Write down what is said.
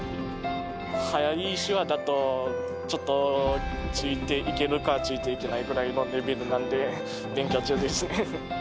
速い手話だと、ちょっとついていけるか、ついていけないぐらいのレベルなんで、勉強中です。